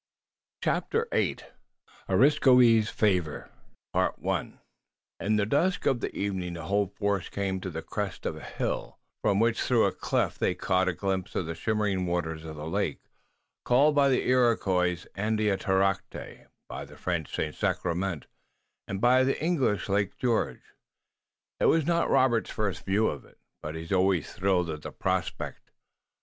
CHAPTER VIII ARESKOUI'S FAVOR In the dusk of the evening the whole force came to the crest of a hill from which through a cleft they caught a glimpse of the shimmering waters of the lake, called by the Iroquois Andiatarocte, by the French, St. Sacrement, and by the English, George. It was not Robert's first view of it, but he always thrilled at the prospect.